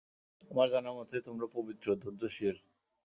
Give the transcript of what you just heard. আমার জানা মতে তোমরা পবিত্র, ধৈর্যশীল।